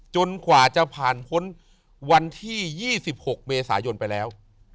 กว่าจะผ่านพ้นวันที่๒๖เมษายนไปแล้ว